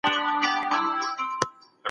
اختاپوس 🐙